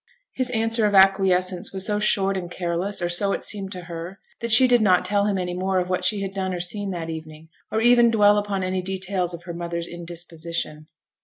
His answer of acquiescence was so short and careless, or so it seemed to her, that she did not tell him any more of what she had done or seen that evening, or even dwell upon any details of her mother's indisposition.